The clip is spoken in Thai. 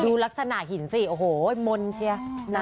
ดูลักษณะหินสิโอ้โหมนต์เชีย